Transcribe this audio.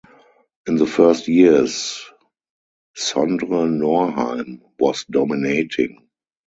In the first years, Sondre Norheim was dominating.